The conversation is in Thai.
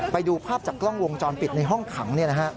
ไปดูภาพจากกล้องวงจรปิดในห้องขัง